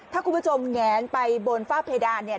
ถ้าคุณผู้ชมแงนไปบนฝ้าเพดานเนี่ย